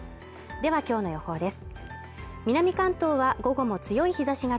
では今日の予報です。